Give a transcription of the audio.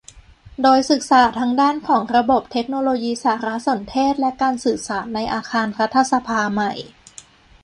โดยศึกษาทั้งด้านของระบบเทคโนโลยีสารสนเทศและการสื่อสารในอาคารรัฐสภาใหม่